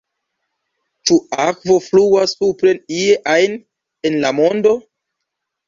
Ĉu akvo fluas supren ie ajn en la mondo?